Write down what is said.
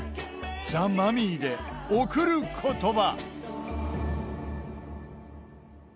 ザ・マミィで「贈る言葉」。